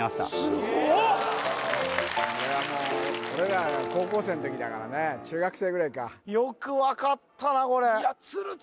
すごっこれはもう俺らが高校生の時だからね中学生ぐらいか・よく分かったな